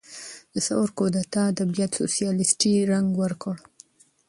د ثور کودتا ادبیات سوسیالیستي رنګ ورکړ.